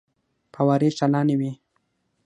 فوارې چالانې وې.